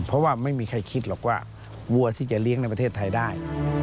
เพราะว่าไม่มีใครคิดหรอกว่าวัวที่จะเลี้ยงในประเทศไทยได้